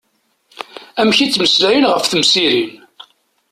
Amek i ttmeslayen ɣef temsirin.